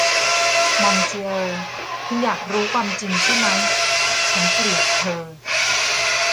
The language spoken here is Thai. มองซิเออร์ คุณอยากรู้ความจริงใช่ไหม ฉันเกลียดเธอ